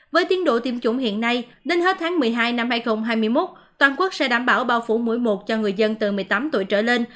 với tiến độ tiêm chủng hiện nay đến hết tháng một mươi hai năm hai nghìn hai mươi một toàn quốc sẽ đảm bảo bao phủ mỗi một cho người dân từ một mươi tám tuổi trở lên